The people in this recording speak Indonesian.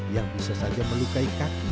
yang bisa saja melukai kaki